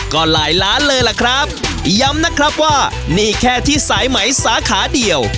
ก็หลายล้านเลยล่ะครับย้ำนะครับว่านี่แค่ที่สายไหมสาขาเดียว